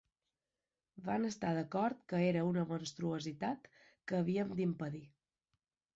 Vam estar d'acord que era una monstruositat que havíem d'impedir.